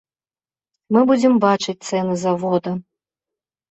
Мы будзем бачыць цэны завода.